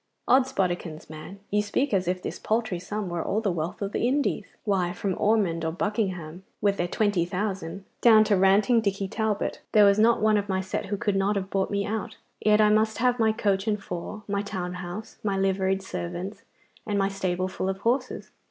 'Od's bodikins, man, you speak as if this paltry sum were all the wealth of the Indies. Why, from Ormonde or Buckingham, with their twenty thousand, down to ranting Dicky Talbot, there was not one of my set who could not have bought me out. Yet I must have my coach and four, my town house, my liveried servants, and my stable full of horses.